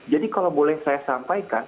jadi kalau boleh saya sampaikan